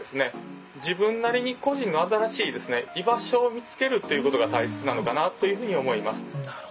自分なりに故人の新しい居場所を見つけるっていうことが大切なのかなというふうに思います。